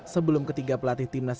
sebelum ketiga pelatih timnas